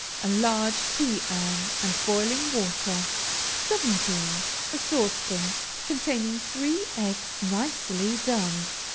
A large tea urn and boiling water. 17. A saucepan, containing three eggs nicely done.